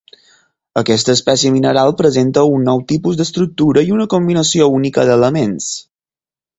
Aquesta espècie mineral presenta un nou tipus d'estructura i una combinació única d'elements.